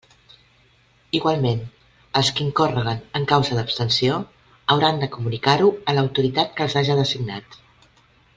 Igualment, els qui incórreguen en causa d'abstenció hauran de comunicar-ho a l'autoritat que els haja designat.